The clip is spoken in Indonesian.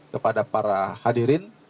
kepada para hadirin